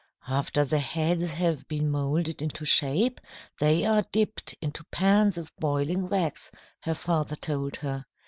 "After the heads have been moulded into shape, they are dipped into pans of boiling wax," her father told her.